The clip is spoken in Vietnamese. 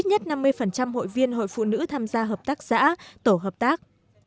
phần đầu đến năm hai nghìn hai mươi một có ít nhất năm mươi hội viên hội phụ nữ tham gia hợp tác xã tổ hợp tác